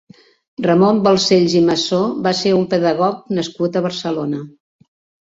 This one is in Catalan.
Ramon Balcells i Masó va ser un pedagog nascut a Barcelona.